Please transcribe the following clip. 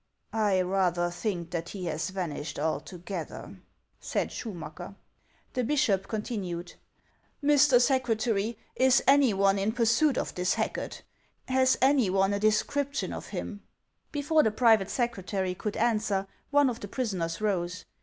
I raiher think iLa: be has vanished altogether,* said ...•;.: The bishop continued: "Mr. Secretary, is any one in pursuit of this Hackei ? Has any one a description of him f~ Before the private secretary could answer, one of the prisoners rose.